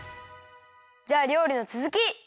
じゃありょうりのつづき！